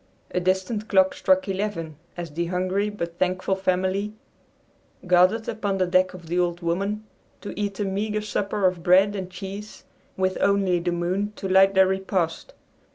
A distant clock struck eleven as the hungry but thankful family gathered upon the deck of the "Old Woman" to eat a meager supper of bread and cheese with only the moon to light their repast.